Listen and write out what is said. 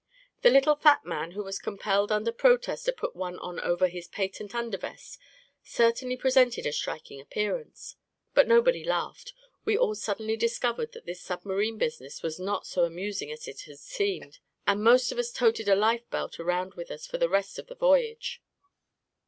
The little fat man, who was compelled under protest to put one on over his patent under* vest, certainly presented a striking appearance. But nobody laughed; we all suddenly discovered that this submarine business was not so amusing as it had seemed, and most of us toted a life belt around with us for the rest of the voyage.